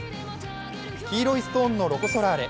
黄色いストーンのロコ・ソラーレ。